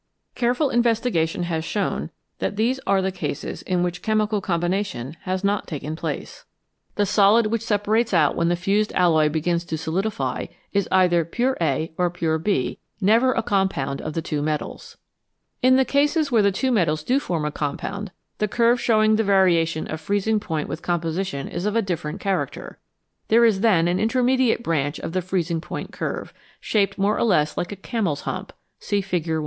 Careful investi gation has shown that these are the cases in which chemical combination has not taken place. The solid 79 TWO METALS BETTER THAN ONE which separates out when the fused alloy begins to solidify is either pure A or pure B, never a compound of the two metals. In the cases where the two metals do form a com pound, the curve showing the variation of freezing point with composition is of a different character ; there is then an intermediate branch of the freezing point curve, shaped more or less like a earners hump (see Fig. 16).